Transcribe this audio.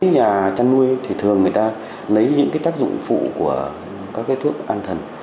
nhà chăn nuôi thì thường người ta lấy những tác dụng phụ của các thuốc an thần